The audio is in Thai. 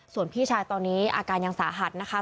ส่วนพี่ชายตอนนี้อาการยังสาหัสนะคะ